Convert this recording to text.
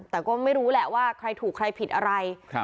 แต่ก็ไม่รู้แหละว่าใครถูกใครผิดอะไร